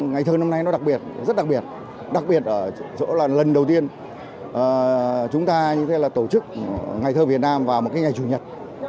ngày thơ năm nay rất đặc biệt đặc biệt là lần đầu tiên chúng ta tổ chức ngày thơ việt nam vào một ngày chủ nhật